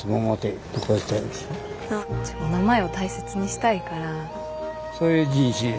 お名前を大切にしたいから。